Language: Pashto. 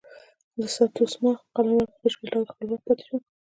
د ساتسوما قلمرو په بشپړ ډول خپلواک پاتې شو.